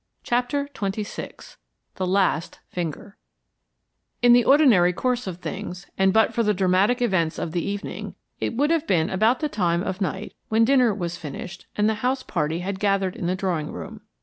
CHAPTER XXVI THE LAST FINGER In the ordinary course of things, and but for the dramatic events of the evening, it would have been about the time of night when dinner was finished and the house party had gathered in the drawing room.